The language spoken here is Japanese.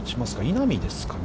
稲見ですかね。